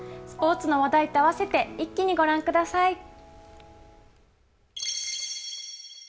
スポーツの話題と併せて一気にご覧ください。